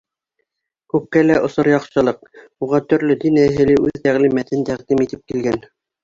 Күккә лә осор яҡшылыҡ, Уға төрлө дин әһеле үҙ тәғлимәтен тәҡдим итеп килгән.